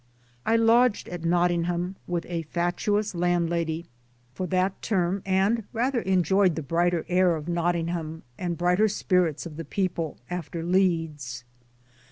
I lodged at Nottingham 1 (with a fatuous land ) 84 MY DAYS AND DREAMS lady) for that term and' rather enjoyed the brighter air of Nottingham and brighter spirits of the people, after Leeds.